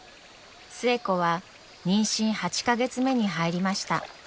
寿恵子は妊娠８か月目に入りました。